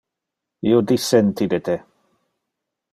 Io dissenti de te.